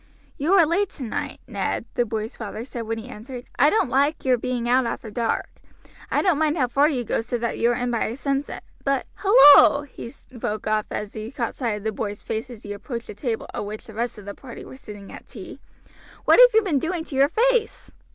"You are late tonight, Ned," the boy's father said when he entered. "I don't like your being out after dark. I don't mind how far you go so that you are in by sunset; but, halloo!" he broke off, as he caught sight of the boy's face as he approached the table at which the rest of the party were sitting at tea; "what have you been doing to your face?"